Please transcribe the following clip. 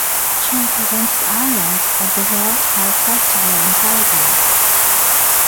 She represented Ireland at the World Harp Festival in Paraguay.